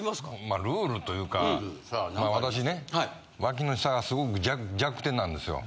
まあルールというか私ね脇の下がすごく弱点なんですよ。